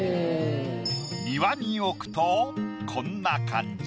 庭に置くとこんな感じ。